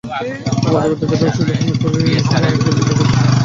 আমরা জগতের কাজে অংশগ্রহণ করি আর নাই করি, জগৎ নিজের ভাবে চলে যাবেই।